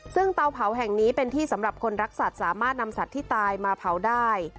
ซึ่งเตาเผาแห่งนี้เป็นที่สำหรับคนรักสัตว์สามารถนำสัตว์ที่ตายมาเผาได้